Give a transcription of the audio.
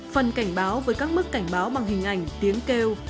phần cảnh báo với các mức cảnh báo bằng hình ảnh tiếng kêu